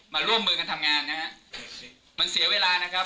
มาร่วมมือกันทำงานนะฮะมันเสียเวลานะครับ